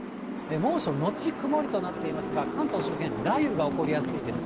猛暑のち曇りとなっていますが、関東周辺、雷雨が起こりやすいです。